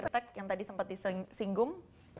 praktek yang tadi sempat disinggung